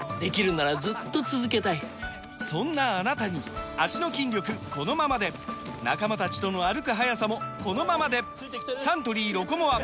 そんなあなたに脚の筋力このままで仲間たちとの歩く速さもこのままでサントリー「ロコモア」！